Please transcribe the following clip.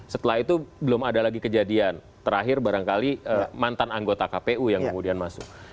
setelah itu belum ada lagi kejadian terakhir barangkali mantan anggota kpu yang kemudian masuk